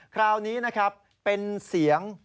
คราวนี้นะครับเป็นเสียง